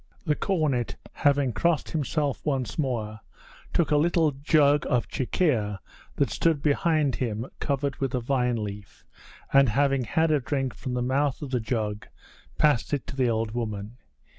The cornet, having crossed himself once more, took a little jug of chikhir that stood behind him covered with a vine leaf, and having had a drink from the mouth of the jug passed it to the old woman.